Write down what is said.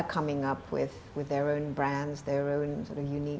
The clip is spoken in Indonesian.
dengan brand brand sendiri